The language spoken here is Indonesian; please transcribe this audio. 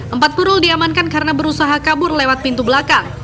empat purul diamankan karena berusaha kabur lewat pintu belakang